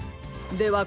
では